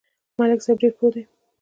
ملک صاحب ډېر پوه دی.